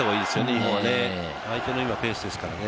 今、相手のペースですからね。